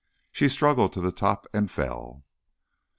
She struggled to the top and fell.